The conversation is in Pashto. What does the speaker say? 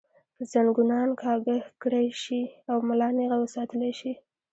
زنګونان کاږۀ کړے شي او ملا نېغه وساتلے شي